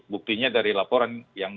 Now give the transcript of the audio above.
buktinya dari laporan